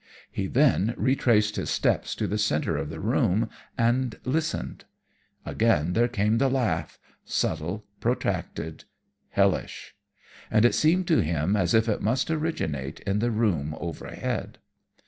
"He then retraced his steps to the centre of the room and listened. Again there came the laugh subtle, protracted, hellish and it seemed to him as if it must originate in the room overhead.